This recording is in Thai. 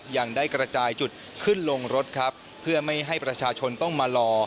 ยังได้กระจายจุดขึ้นลงรถครับเพื่อไม่ให้ประชาชนต้องมารอ